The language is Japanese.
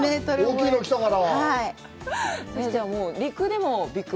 大きいの来たから。